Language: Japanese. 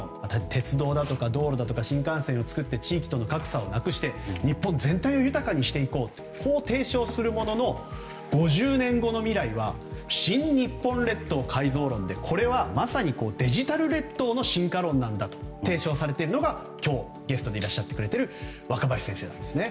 鉄道だとか道路、新幹線を作って地域との格差をなくして日本全体を豊かにしていこうと提唱するものの５０年後の未来は新・日本列島改造論でこれはまさにデジタル列島の進化論だと提唱されているのが今日、ゲストでいらっしゃってくれている若林先生なんですね。